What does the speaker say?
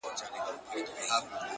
o هغه به زما له سترگو ـ